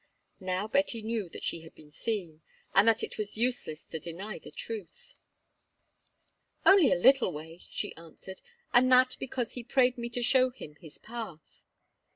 Now Betty knew that she had been seen, and that it was useless to deny the truth. "Only a little way," she answered, "and that because he prayed me to show him his path."